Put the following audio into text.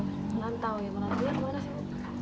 melantau ya melantau dia kemana sih bu